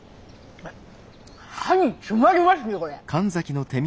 歯に詰まりますねこれ。